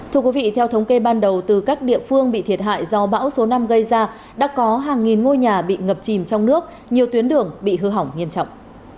thưa quý vị theo thống kê ban đầu từ các địa phương bị thiệt hại do bão số năm gây ra đã có hàng nghìn ngôi nhà bị ngập chìm trong nước nhiều tuyến đường bị hư hỏng nghiêm trọng